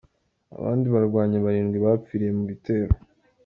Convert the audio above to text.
Abandi barwanyi barindwi bapfiriye mu bitero.